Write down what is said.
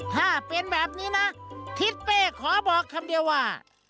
ถ้าเป็นแบบนี้นะทิศเป้ขอบอกคำเดียวว่า